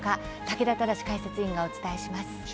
竹田忠解説委員がお伝えします。